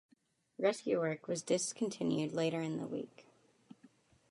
Rescue work was discontinued later in the week.